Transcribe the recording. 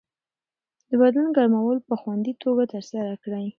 د بدن ګرمول په خوندي توګه ترسره کړئ.